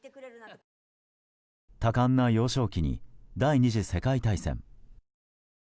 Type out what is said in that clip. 多感な幼少期に第２次世界大戦。